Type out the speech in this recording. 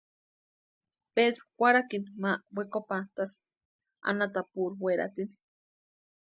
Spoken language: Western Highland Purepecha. Pedru kwarakini ma wekopantʼaspti anhatapurhu weratini.